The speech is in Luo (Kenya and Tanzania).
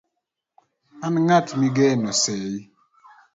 an ng'ati migeno sei